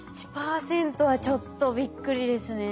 １％はちょっとびっくりですね。